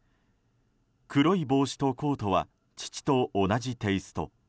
黒い帽子とコートは父と同じテイスト。